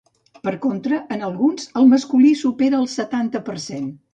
Per contra, en alguns el masculí supera el setanta per cent.